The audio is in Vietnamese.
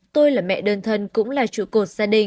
tôi là mẹ đơn thân cũng là trụ cột gia đình